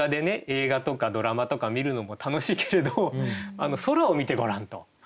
映画とかドラマとか見るのも楽しいけれど空を見てごらんと。